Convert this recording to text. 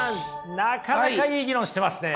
なかなかいい議論してますね。